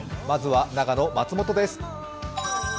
まずは長野・松本です。